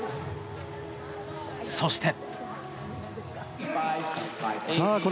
そして。